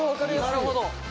なるほど。